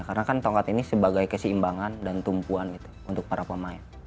karena kan tongkat ini sebagai keseimbangan dan tumpuan gitu untuk para pemain